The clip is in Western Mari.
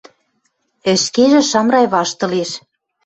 Ӹшкежӹ Шамрай ваштылеш.